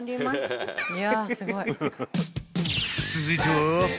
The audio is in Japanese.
［続いては］